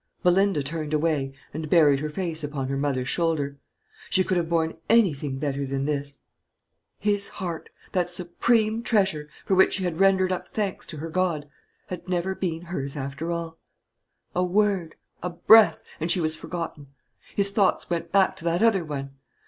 Belinda turned away, and buried her face upon her mother's shoulder. She could have borne anything better than this. His heart that supreme treasure, for which she had rendered up thanks to her God had never been hers after all. A word, a breath, and she was forgotten; his thoughts went back to that other one.